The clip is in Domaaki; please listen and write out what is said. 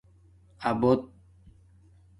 ابد